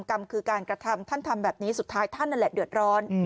กรรมคือการกระทำท่านทำแบบนี้สุดท้ายท่านนั่นแหละเดือดร้อน